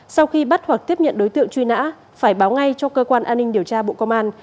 sau khi bắt hoặc tiếp nhận đối tượng truy nã phải báo ngay cho cơ quan an ninh điều tra bộ công an